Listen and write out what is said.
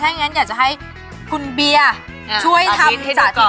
ถ้ายังงั้นอยากให้คุณเบียร์ช่วยทำจ่าที่ให้ดูก่อน